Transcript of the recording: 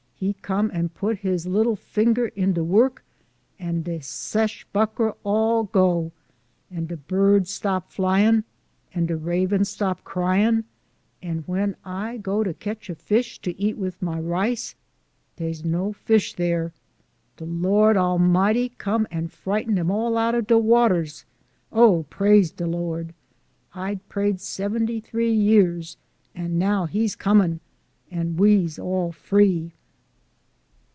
He come an' put he little finger in de work, an' dey Sesh Buckra all go ; and de birds stop flyin', and de rabens stop cryin', an' when I go to catch a fish to eat wid my rice, de 's no fish dar. De Lord A'mighty 'd come and frightened 'em all * The Wabaeh. 46 SOME SCENES IX THE out of tie waters. Oh ! Praise de Lord ! I 'd prayed seventy three years, an' now he 's come an' we's all free."